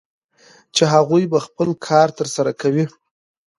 چې هغوی به خپل کار ترسره کوي